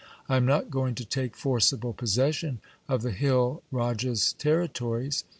I am not going to take forcible possession of the hill rajas' territories.